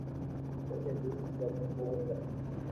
Ohendu hikuái ñembo'eguasu